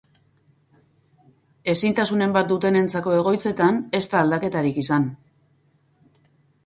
Ezintasunen bat dutenentzako egoitzetan ez da aldaketarik izan.